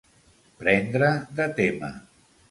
Prendre de tema.